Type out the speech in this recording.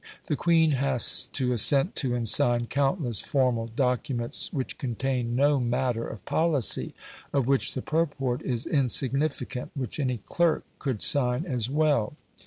The Queen has to assent to and sign countless formal documents, which contain no matter of policy, of which the purport is insignificant, which any clerk could sign as well.